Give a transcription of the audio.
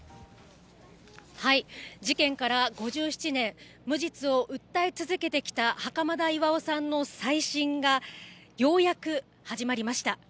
はい、事件から５７年、無実を訴え続けてきた袴田巌さんの再審が、ようやく始まりました。